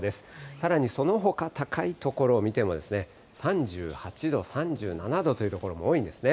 さらにそのほか、高い所を見ても、３８度、３７度という所も多いんですね。